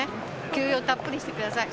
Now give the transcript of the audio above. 休養たっぷりしてください。